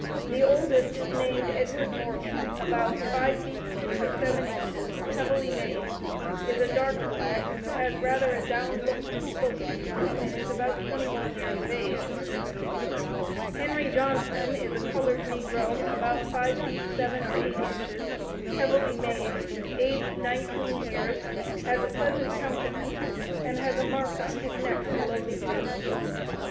The oldest is named Edward Morgan, about five feet six or seven inches, heavily made is a dark black, has rather a down look when spoken to, and is about 21 years of age. "Henry Johnson is a colored negro, about five feet seven or eight inches, heavily made, aged nineteen years, has a pleasant countenance, and has a mark on his neck below the ear.